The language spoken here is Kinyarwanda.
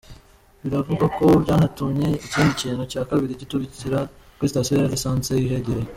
Biravugwa ko byanatumye ikindi kintu cya kabiri giturika kuri sitasiyo ya lisansi ihegereye.